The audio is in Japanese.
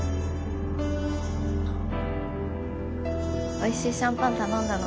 おいしいシャンパン頼んだの。